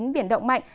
biển động mạnh